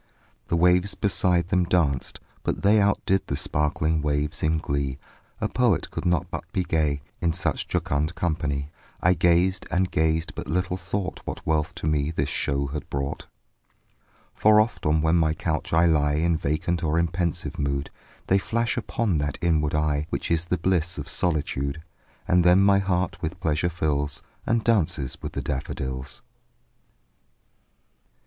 The waves beside them danced; but they Outdid the sparkling waves in glee; A poet could not but be gay, In such a jocund company; I gazed and gazed but little thought What wealth to me the show had brought: For oft, when on my couch I lie In vacant or in pensive mood, They flash upon that inward eye Which is the bliss of solitude; And then my heart with pleasure fills, And dances with the daffodils.